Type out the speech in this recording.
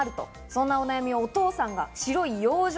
そんなお悩みをお父さんが白い養生